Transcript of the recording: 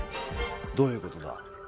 どういうことだ？